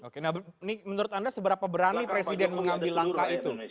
oke nah menurut anda seberapa berani presiden mengambil langkah itu